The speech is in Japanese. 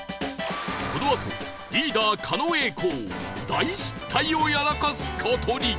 このあとリーダー狩野英孝大失態をやらかす事に！